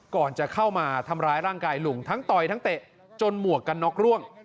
ก่อนจะเข้ามาทำร้ายร่างกายลุงทั้งต่อยทั้งเตะจนหมวกกันน็กร่วง